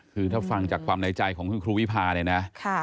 คือถ้าฟังจากความในใจของคุณครูวิพาเนี่ยนะ